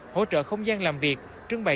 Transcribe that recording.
hỗ trợ không gian làm việc trưng bày